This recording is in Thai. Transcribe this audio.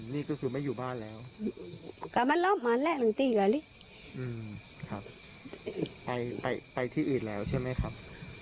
นี่ก็คือไม่อยู่บ้านแล้วไปที่อื่นแล้วใช่ไหมครับ